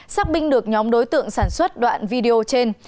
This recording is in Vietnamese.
xác minh được nhóm đối tượng sản xuất đoạn video trên